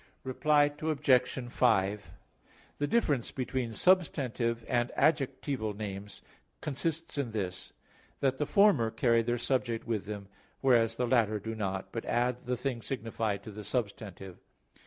Reply Obj. 5: The difference between substantive and adjectival names consist in this, that the former carry their subject with them, whereas the latter do not, but add the thing signified to the substantive.